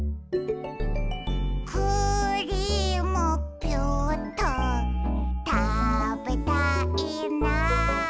「クリームピューっとたべたいな」